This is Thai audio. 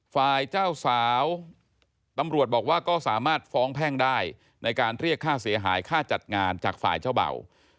ฝ่ายเจ้าสาวตำรวจบอกว่าก็สามารถฟ้องแพ่งได้ในการเรียกค่าเสียหายค่าจัดงานจากฝ่ายเจ้าเบ่า